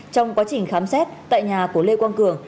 trong quá trình khám xét tại nhà của lê quang cường